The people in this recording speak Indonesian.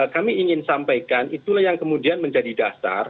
kami ingin sampaikan itulah yang kemudian menjadi dasar